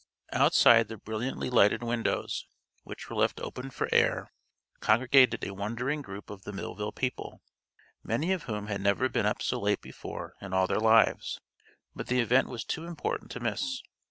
Outside the brilliantly lighted windows, which were left open for air, congregated a wondering group of the Millville people, many of whom had never been up so late before in all their lives. But the event was too important to miss.